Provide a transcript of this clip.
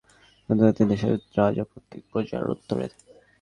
গণতান্ত্রিক দেশে রাজা প্রত্যেক প্রজার অন্তরে।